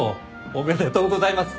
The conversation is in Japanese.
おめでとうございます！